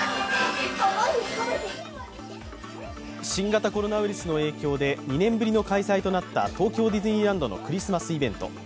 新型コロナウイルスの影響で２年ぶりの開催となった東京ディズニーランドのクリスマスイベント。